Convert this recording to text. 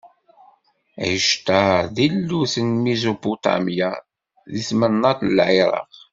Ɛictar d tillut n Mizupuṭamya, deg tmennaṭ n Lɛiraq.